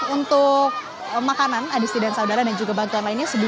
untuk makanan adisti dan saudara dan juga bantuan lainnya